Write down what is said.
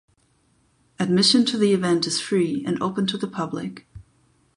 Admission to the event is free and open to the public.